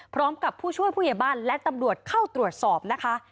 ผู้ช่วยผู้ใหญ่บ้านและตำรวจเข้าตรวจสอบนะคะ